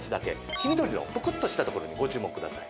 黄緑のプクッとした所にご注目ください。